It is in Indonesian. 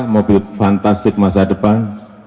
mobil fantastik masa depan